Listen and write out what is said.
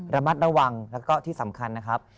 ระมัดระวังแล้วก็ที่สำคัญนะครับ